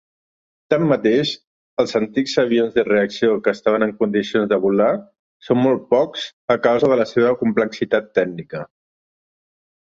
Tanmateix, els antics avions de reacció que estan en condicions de volar són molt pocs a causa de la seva complexitat tècnica.